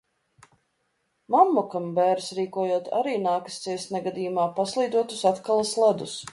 Mammukam, bēres rīkojot, arī nākas ciest negadījumā, paslīdot uz atkalas ledus.